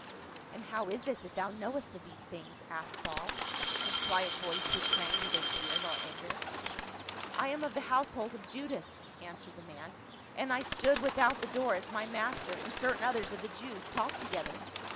"And how is it that thou knowest of these things?" asked Saul, his quiet voice betraying neither fear nor anger. " I am of the household of Judas," answered the man, " and I stood without the door as my master and certain others of the Jews talked together.